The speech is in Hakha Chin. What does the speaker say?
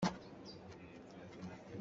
Na va dawh dah!